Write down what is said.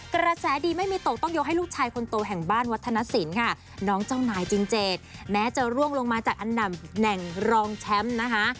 กระแสดีไม่มีตกต้องยกให้ลูกชายคนโตแห่งบ้านวัฒนศิลป์ค่ะน้องเจ้านายจินเจดแม้จะร่วงลงมาจากอันดับแหน่งรองแชมป์นะคะ